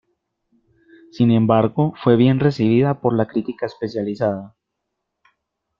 Sin embargo, fue bien recibida por la crítica especializada.